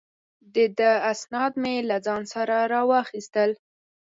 د ده اسناد مې له ځان سره را واخیستل.